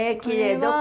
どこ？